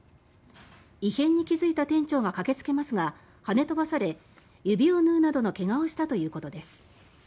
異変に気付いた店長がかけつけますがはね飛ばされ、指を縫うなどの怪我をしたということです。